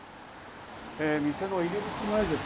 店の入口前です。